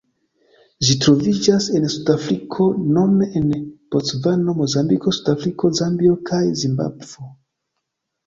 Ĝi troviĝas en Suda Afriko nome en Bocvano, Mozambiko, Sudafriko, Zambio kaj Zimbabvo.